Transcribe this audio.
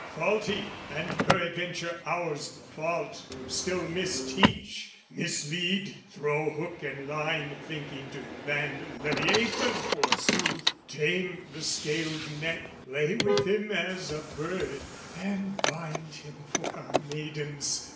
Faulty and peradventure ours the fault Who still misteach, mislead, throw hook and line Thinking to land leviathan forsooth, Tame the scaled neck, play with him as a bird, And bind him for our maidens!